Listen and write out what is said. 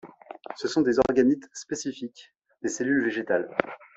Ce sont des organites spécifiques des cellules végétales.